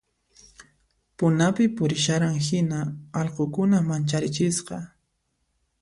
Punapi purisharan hina allqukuna mancharichisqa